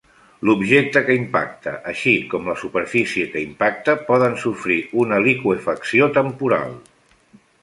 L'objecte que impacta, així com la superfície que impacta, poden sofrir una liqüefacció temporal.